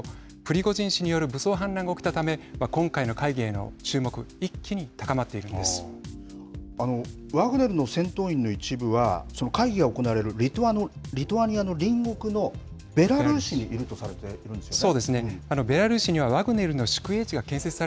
プリゴジン氏による武装反乱が起きたため今回の会議への注目ワグネルの戦闘員の一部は会議が行われるリトアニアの隣国のベラルーシにいるとされているんですよね。